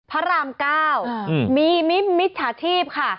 ภารามก้าวมีมิถมิตรสถาทีบค่ะ